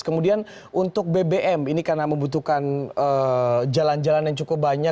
kemudian untuk bbm ini karena membutuhkan jalan jalan yang cukup banyak